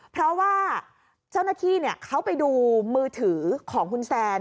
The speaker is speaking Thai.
เพราะว่าเจ้าหน้าที่เขาไปดูมือถือของคุณแซน